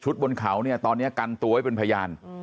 บนเขาเนี่ยตอนนี้กันตัวไว้เป็นพยาน